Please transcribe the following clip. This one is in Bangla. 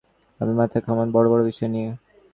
আপনি মাথা ঘামান বড়-বড় বিষয় নিয়ে।